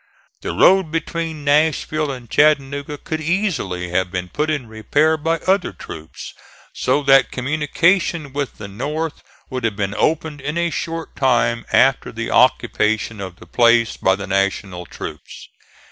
The road between Nashville and Chattanooga could easily have been put in repair by other troops, so that communication with the North would have been opened in a short time after the occupation of the place by the National troops.